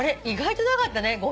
意外となかったね。